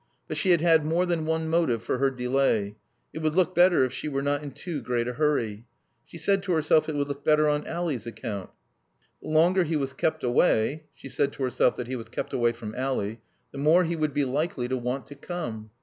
But she had had more than one motive for her delay. It would look better if she were not in too great a hurry. (She said to herself it would look better on Ally's account.) The longer he was kept away (she said to herself, that he was kept away from Ally) the more he would be likely to want to come.